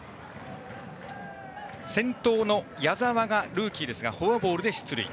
先頭の矢澤、ルーキーですがフォアボールで出塁。